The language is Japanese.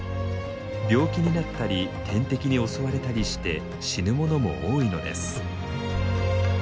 病気になったり天敵に襲われたりして死ぬものも多いのです。